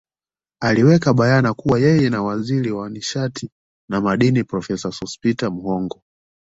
Aliweka bayana kuwa yeye na Waziri wa nishati na Madini Profesa Sospeter Muhongo